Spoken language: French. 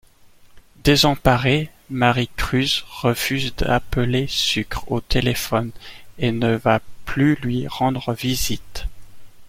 Désemparée, Maricruz refuse d'appeler Sucre au téléphone et ne va plus lui rendre visite.